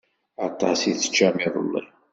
Aṭas i teččam iḍelli.